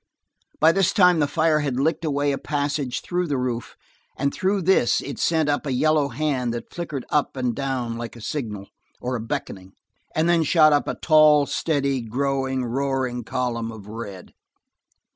By this time the fire had licked away a passage through the roof and through this it sent up a yellow hand that flicked up and down like a signal, or a beckoning, and then shot up a tall, steady, growing, roaring column of red.